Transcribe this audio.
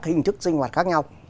các hình thức sinh hoạt khác nhau